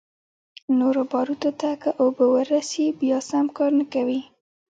نورو باروتو ته که اوبه ورورسي بيا سم کار نه کوي.